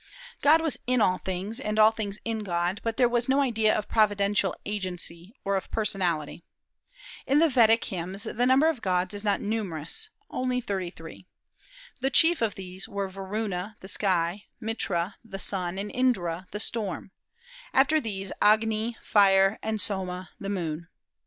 God was in all things, and all things in God; but there was no idea of providential agency or of personality. In the Vedic hymns the number of gods is not numerous, only thirty three. The chief of these were Varuna, the sky; Mitra, the sun; and Indra, the storm: after these, Agni, fire; and Soma, the moon.